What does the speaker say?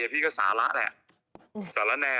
พี่ก็สาระ